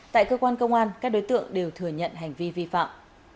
tại cơ quan công an các đối tượng đều thừa nhận hành vi vi phạm